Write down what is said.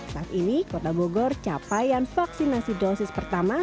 saat ini kota bogor capaian vaksinasi dosis pertama